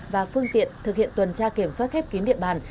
và phương tiện thực hiện tuần tra kiểm soát khép kín địa bàn